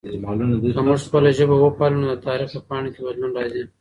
که موږ خپله ژبه وپالو نو د تاریخ په پاڼو کې بدلون راځي.